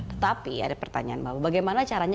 tetapi ada pertanyaan bahwa bagaimana caranya